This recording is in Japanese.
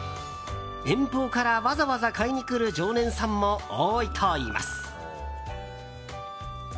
遠方からわざわざ買いにくる常連さんも多いといいます。